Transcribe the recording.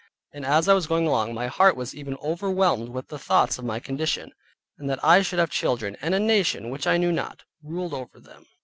And as I was going along, my heart was even overwhelmed with the thoughts of my condition, and that I should have children, and a nation which I knew not, ruled over them.